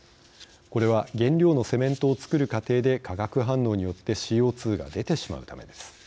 これは、原料のセメントを作る過程で、化学反応によってＣＯ２が出てしまうためです。